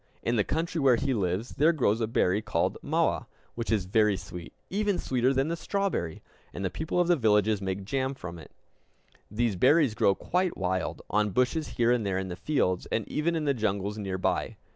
In the country where he lives there grows a berry called mawa, which is very sweet even sweeter than the strawberry; and the people of the villages make jam from it. These berries grow quite wild, on bushes here and there in the fields, and even in the jungles near by.